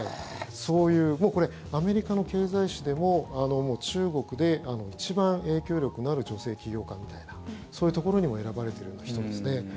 これ、アメリカの経済誌でも中国で一番影響力のある女性起業家みたいなそういうところにも選ばれている人ですね。